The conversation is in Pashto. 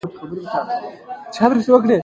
انګور په کندهار کې مشهور دي